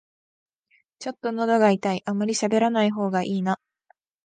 ちょっとのどが痛い、あまりしゃべらない方がいいな